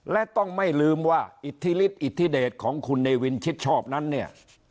และต้องไม่ลืมว่าอิทธิฤตส์ของคุณเนวินชิดชอบนั้นนี่